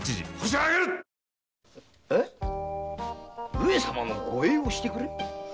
上様の護衛をしてくれ？